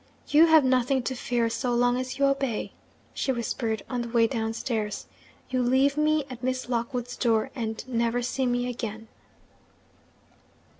'You have nothing to fear, so long as you obey,' she whispered, on the way downstairs. 'You leave me at Miss Lockwood's door, and never see me again.'